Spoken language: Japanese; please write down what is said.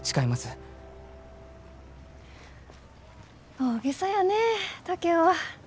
大げさやね竹雄は。